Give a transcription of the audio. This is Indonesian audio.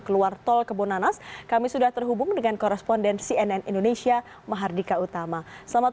keluar tol kebonanas kami sudah terhubung dengan koresponden cnn indonesia mahardika utama selamat